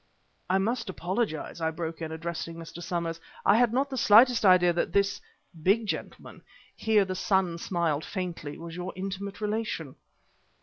"I must apologize," I broke in, addressing Mr. Somers. "I had not the slightest idea that this big gentleman," here the son smiled faintly, "was your intimate relation."